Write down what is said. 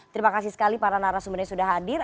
terima kasih sekali para narasumbernya sudah hadir